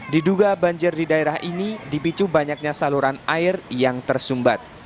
diduga banjir di daerah ini dipicu banyaknya saluran air yang tersumbat